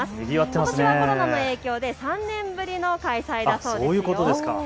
ことしはコロナの影響で３年ぶりの開催だそうですよ。